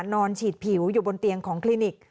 นอนฉีดผิวอยู่บนเตียงของคลินิก